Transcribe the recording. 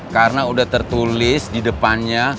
karena udah tertulis di depannya